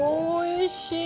おいしい！